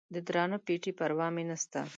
د درانه پېټي پروا مې نسته.